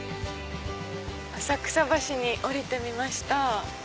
浅草橋に降りてみました。